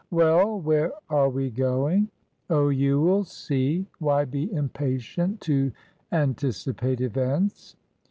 " Well ! Where are we going ?"" Oh, you will see. Why be impatient to anticipate events